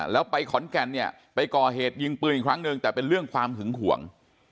แล้วไปขอนแก่นเนี่ยไปก่อเหตุยิงปืนอีกครั้งหนึ่งแต่เป็นเรื่องความหึงห่วง